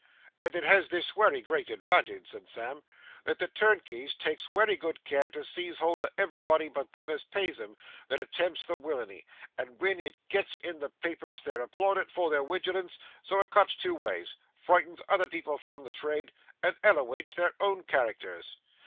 'And it has this wery great advantage,' said Sam, 'that the turnkeys takes wery good care to seize hold o' ev'rybody but them as pays 'em, that attempts the willainy, and wen it gets in the papers they're applauded for their wigilance; so it cuts two ways frightens other people from the trade, and elewates their own characters.